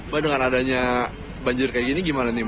ma dengan adanya banjir kayak gini gimana nih ma